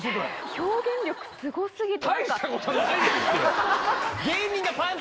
表現力すごすぎて。